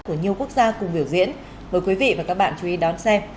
của nhiều quốc gia cùng biểu diễn mời quý vị và các bạn chú ý đón xem